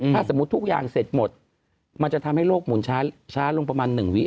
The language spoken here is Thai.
ถ้าสมมุติทุกอย่างเสร็จหมดมันจะทำให้โลกหมุนช้าลงประมาณ๑วิ